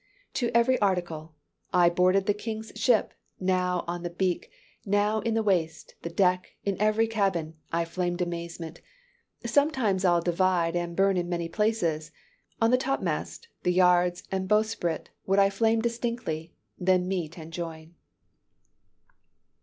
_ "To every article. I boarded the King's ship: now on the beak, Now in the waist, the deck, in every cabin, I flamed amazement: sometimes I'd divide, And burn in many places: on the topmast, The yards and bowsprit would I flame distinctly; Then meet and join."